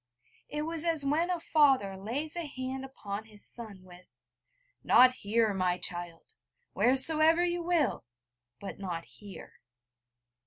It was as when a father lays a hand upon his son, with: 'Not here, my child; wheresoever you will but not here.'